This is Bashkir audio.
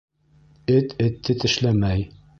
Эт этте тешләмәй.